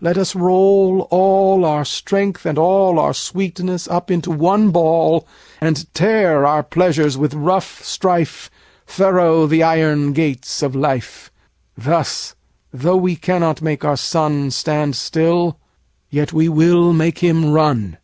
40 Let us roll all our strength and all Our sweetness up into one ball, And tear our pleasures with rough strife Thorough the iron gates of life: Thus, though we cannot make our sun 45 Stand still, yet we will make him run.